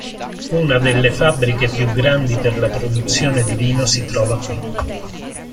Una delle fabbriche più grandi per la produzione di vino si trova qui.